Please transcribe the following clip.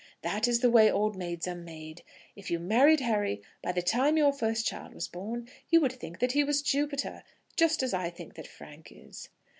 That is the way old maids are made. If you married Harry, by the time your first child was born you would think that he was Jupiter, just as I think that Frank is."